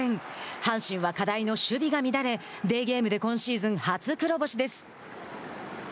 阪神は課題の守備が乱れデーゲームで今シーズン初黒星です。